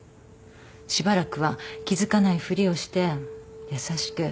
しばらくは気付かないふりをして優しく明るく接しなさい。